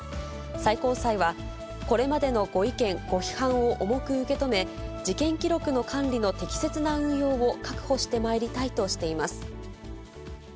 最高裁は、これまでのご意見、ご批判を重く受け止め、事件記録の管理の適切な運用を確保してまいりたいとしています。